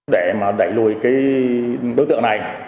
để mà đẩy lùi cái đối tượng này